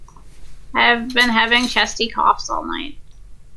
I have been having chesty coughs all night.